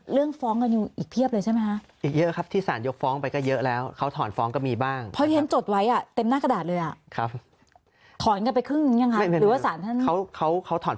ฟ้องกันอยู่อีกเพียบเลยใช่ไหมคะ